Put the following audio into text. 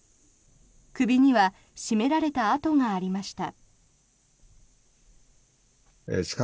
首には絞められた痕がありました。